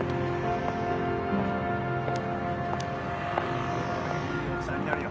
ああいい奥さんになるよ。